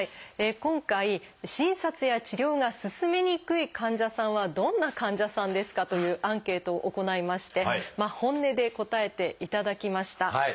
今回「診察や治療が進めにくい患者さんはどんな患者さんですか？」というアンケートを行いまして本音で答えていただきました。